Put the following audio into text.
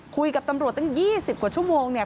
คุยกับตำรวจตั้ง๒๐กว่าชั่วโมงเนี่ย